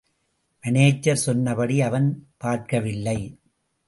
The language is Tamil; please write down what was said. மானேஜர் சொன்னபடி அவன் பார்க்கவில்லை.